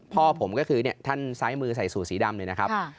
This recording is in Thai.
พ่อผมก็คือท่านซ้ายมือใส่สูตรสีดำเลยนะครับ